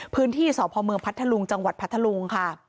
พื้นที่สพเมืองพัทธลุงจังหวัดพัทธลุงค่ะ